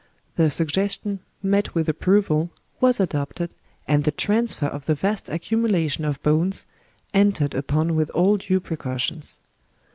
The suggestion met with approval, was adopted, and the transfer of the vast accumulation of bones entered upon with all due precautions.